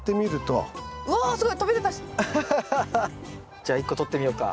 じゃあ１個とってみようか。